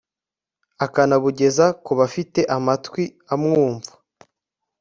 akanabugeza ku bafite amatwi amwumva